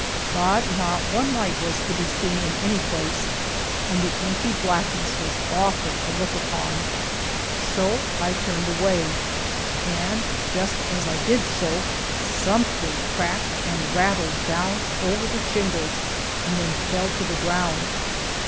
But not one light was to be seen in any place, and the inky blackness was awful to look upon, so I turned away, and just as I did so, something cracked and rattled down over the shingles and then fell to the ground.